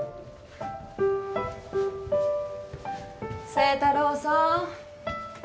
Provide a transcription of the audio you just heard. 星太郎さん。